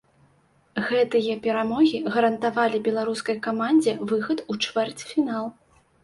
Гэтыя перамогі гарантавалі беларускай камандзе выхад у чвэрцьфінал.